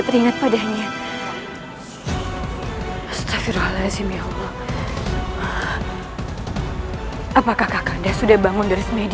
rapus surah al zizal